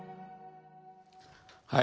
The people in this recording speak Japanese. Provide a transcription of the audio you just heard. はい。